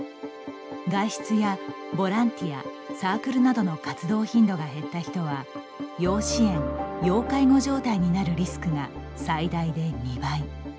外出や、ボランティアサークルなどの活動頻度が減った人は要支援・要介護状態になるリスクが最大で２倍。